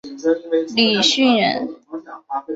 李绚人。